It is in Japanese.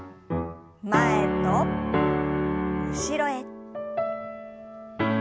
前と後ろへ。